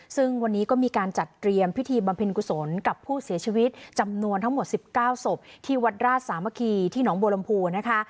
ซึ่งวันนี้ก็มีการจัดเตรียมพิธีบำเพ็ญกุศลกับผู้เสียชีวิตจำนวนทั้งหมด๑๙ศพที่วัดราชสามัคคีที่หนองบัวลำพูนะคะ